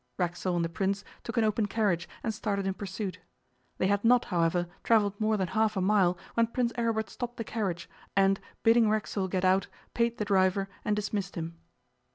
Racksole and the Prince took an open carriage and started in pursuit. They had not, however, travelled more than half a mile when Prince Aribert stopped the carriage, and, bidding Racksole get out, paid the driver and dismissed him.